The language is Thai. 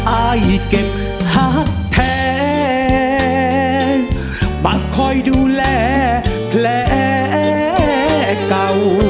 อายเก็บหักแท้ปักคอยดูแลแผลเก่า